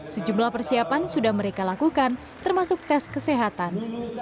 sejumlah persiapan sudah mereka lakukan termasuk tes kesehatan